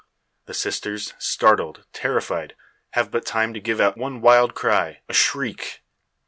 The sisters, startled, terrified, have but time to give out one wild cry a shriek.